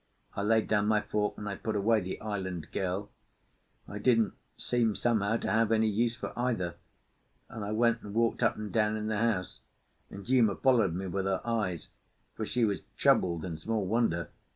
I laid down my fork, and I put away "the island girl"; I didn't seem somehow to have any use for either, and I went and walked up and down in the house, and Uma followed me with her eyes, for she was troubled, and small wonder!